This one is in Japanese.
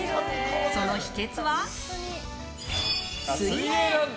その秘訣は、水泳。